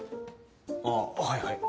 ああはいはい。